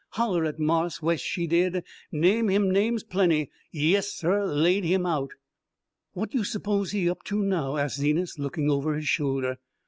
Holler at Marse Wes she did, name him names, plenty. Yessuh laid him out!" "What you s'pose he up to now?" asked Zenas, looking over his shoulder.